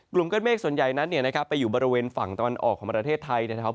กลุ่มก้อนเมฆส่วนใหญ่นั้นไปอยู่บริเวณฝั่งตะวันออกของประเทศไทยนะครับ